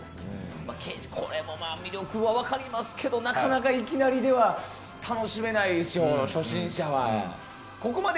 これも魅力は分かりますけどなかなかいきなりでは楽しめないでしょ、初心者は。